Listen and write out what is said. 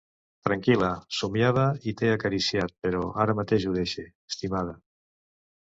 Tranquil·la, somiava i t'he acariciat, però ara mateix ho deixe, estimada.